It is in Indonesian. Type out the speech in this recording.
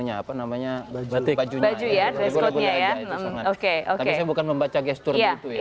tapi saya bukan membaca gestur